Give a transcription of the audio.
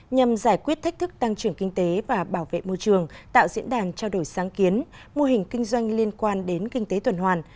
nhằm giải quyết thách thức tăng trưởng kinh tế và bảo vệ môi trường tạo diễn đàn trao đổi sáng kiến mô hình kinh doanh liên quan đến kinh tế tuần hoàn